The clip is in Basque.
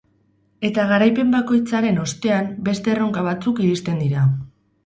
Eta garaipen bakoitzaren ostean beste erronka batzuk iristen dira.